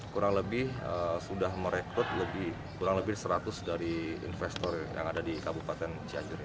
kurang lebih sudah merekrut kurang lebih seratus dari investor yang ada di kabupaten cianjur